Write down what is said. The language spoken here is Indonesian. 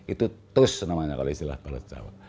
itu tus namanya kalau istilah balas cawa